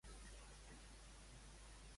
Per tant, d'on prové Focas l'Hortolà?